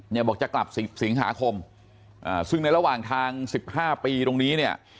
บอกจะกลับสิบสิงหาคมซึ่งในระหว่างทาง๑๕ปีตรงนี้เนี่ย